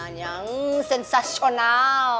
makanannya yang sensasional